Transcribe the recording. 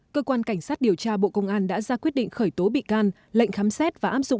cơ quan cảnh sát điều tra bộ công an đã ra quyết định khởi tố bị can lệnh khám xét và áp dụng